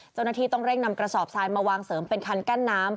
เจ้าหน้าที่ต้องเร่งนำกระสอบทรายมาวางเสริมเป็นคันกั้นน้ำ